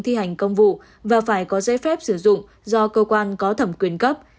thi hành công vụ và phải có giấy phép sử dụng do cơ quan có thẩm quyền cấp